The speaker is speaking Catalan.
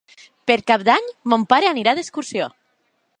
Per Cap d'Any mon pare anirà d'excursió.